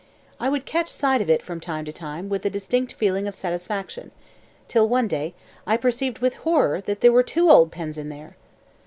I would catch sight of it from time to time with a distinct feeling of satisfaction till, one day, I perceived with horror that there were two old pens in there.